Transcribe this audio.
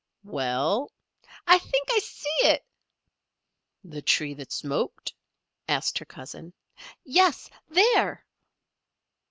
"Well" "I think I see it." "The tree that smoked?" asked her cousin. "Yes. There!"